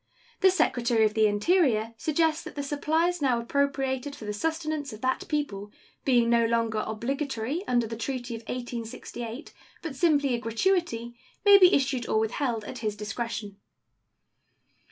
The Secretary of the Interior suggests that the supplies now appropriated for the sustenance of that people, being no longer obligatory under the treaty of 1868, but simply a gratuity, may be issued or withheld at his discretion.